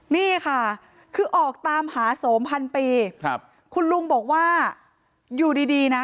นี่ค่ะคือออกตามหาโสมพันปีครับคุณลุงบอกว่าอยู่ดีดีนะ